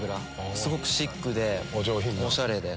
すごくシックでおしゃれで。